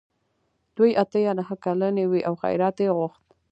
دوی اته یا نهه کلنې وې او خیرات یې غوښت.